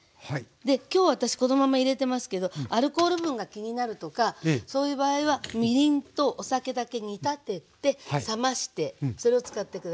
今日私このまま入れてますけどアルコール分が気になるとかそういう場合はみりんとお酒だけ煮立てて冷ましてそれを使って下さい。